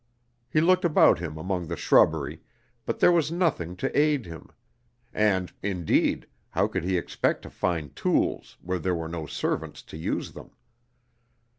He looked about him among the shrubbery, but there was nothing to aid him; and, indeed, how could he expect to find tools where there were no servants to use them?